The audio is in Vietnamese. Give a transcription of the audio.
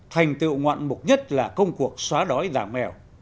thành tựu ngoạn mục nhất là công cuộc xóa đói giảm nghèo